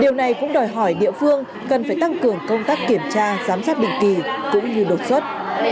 điều này cũng đòi hỏi địa phương cần phải tăng cường công tác kiểm tra giám sát định kỳ cũng như đột xuất